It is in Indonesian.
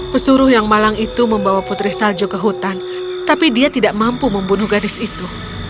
pesuruh yang malang itu membawa putri salju ke hutan tapi dia tidak mampu membunuh gadis itu